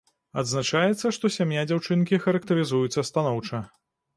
Адзначаецца, што сям'я дзяўчынкі характарызуецца станоўча.